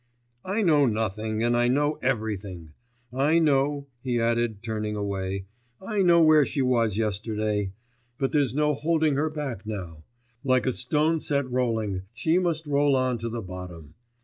'I know nothing, and I know everything! I know,' he added, turning away, 'I know where she was yesterday. But there's no holding her back now; like a stone set rolling, she must roll on to the bottom.